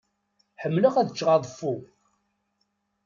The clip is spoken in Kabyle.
Ḥemmleɣ ad cceɣ aḍeffu.